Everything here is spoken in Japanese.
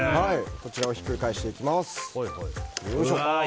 こちらをひっくり返していきます。